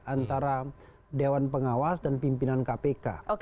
antara dewan pengawas dan pimpinan kpk